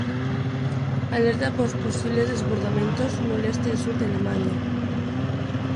Alerta por posibles desbordamentos no leste e sur de Alemaña.